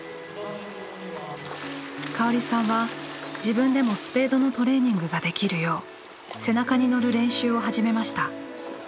香織さんは自分でもスペードのトレーニングができるよう背中に乗る練習を始めました。